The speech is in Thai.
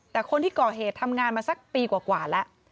แต่คนที่ก่อเหตุทำงานมาสักปีกว่าแล้ว